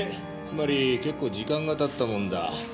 つまり結構時間が経ったもんだ。